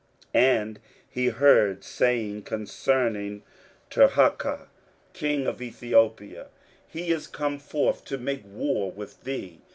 23:037:009 And he heard say concerning Tirhakah king of Ethiopia, He is come forth to make war with thee.